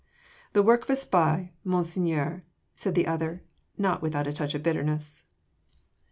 "The work of a spy, Monseigneur," said the other not without a touch of bitterness.